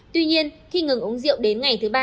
tuy nhiên khi ngừng uống rượu đến ngày thứ ba